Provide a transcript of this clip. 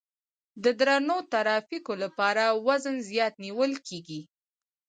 د درنو ترافیکو لپاره وزن زیات نیول کیږي